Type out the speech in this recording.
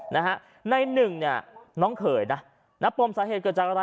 นายหนึ่งน้องเขยนะนับปรมสาเหตุเกิดจากอะไร